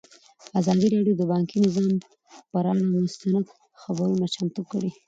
ازادي راډیو د بانکي نظام پر اړه مستند خپرونه چمتو کړې.